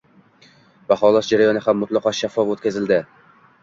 Baholash jarayoni ham mutlaqo shaffof oʻtkaziladi.